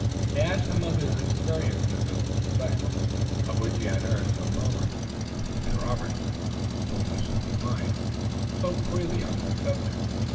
He asked him of his experiences at Quebec, of which he had heard some rumor, and Robert, out of the fullness of his mind, spoke freely on that subject.